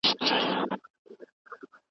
فکري میلانونه باید د نورو د سپکاوي لامل نه سي.